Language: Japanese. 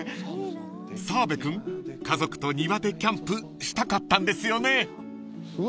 ［澤部君家族と庭でキャンプしたかったんですよね？］